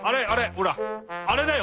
ほらあれだよ！